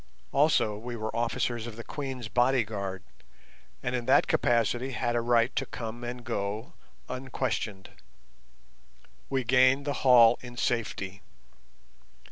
Also we were officers of the Queens' bodyguard, and in that capacity had a right to come and go unquestioned. We gained the hall in safety.